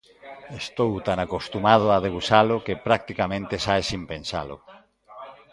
Estou tan acostumado a debuxalo que, practicamente, sae sen pensalo.